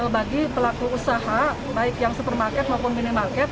bagi pelaku usaha baik yang supermarket maupun minimarket